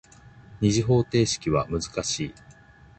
二次方程式は難しい。